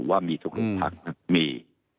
ว่ามีคุณภาคมี